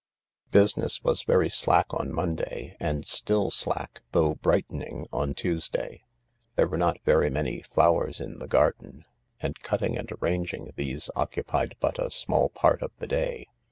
Business was very slack on Monday, and still sladc, though brightening, on Tuesday. The^e were not very many flowers in the garden, and cutting and arranging these occupied but a small part of the day.